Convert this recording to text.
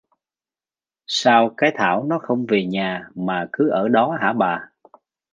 Sao Cái Thảo nó không về nhà mà cứ ở đó hả bà